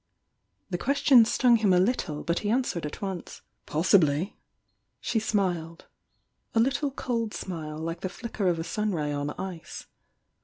The question stung him a little, but he answered at once: "Possibly!" She smiled, a little cold smile like the flicker of a sun ray on ice.